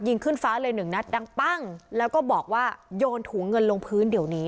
ขึ้นฟ้าเลยหนึ่งนัดดังปั้งแล้วก็บอกว่าโยนถุงเงินลงพื้นเดี๋ยวนี้